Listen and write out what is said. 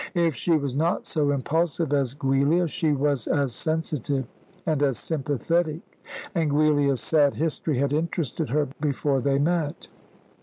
If she was not so impulsive as Giulia, she was as sensitive and as sympathetic, and Giulia's sad history had interested her before they met.